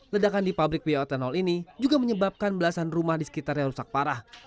ledakan di pabrik bioetanol ini juga menyebabkan belasan rumah di sekitarnya rusak parah